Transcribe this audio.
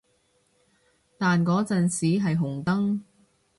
但嗰陣時係紅燈